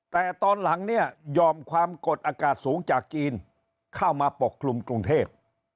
แต่ตอนหลังเนี่ยยอมความกดอากาศสูงจากจีนเข้ามาปกคลุมกรุงเทพ